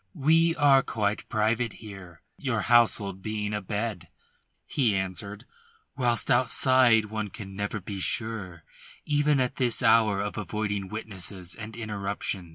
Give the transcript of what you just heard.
"We are quite private here, your household being abed," he answered, "whilst outside one can never be sure even at this hour of avoiding witnesses and interruption.